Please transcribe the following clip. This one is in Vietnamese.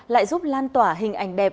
lại giúp lan tỏa hình ảnh đẹp